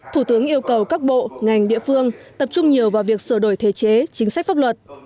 thủ tướng yêu cầu các bộ ngành địa phương tập trung nhiều vào việc sửa đổi thể chế chính sách pháp luật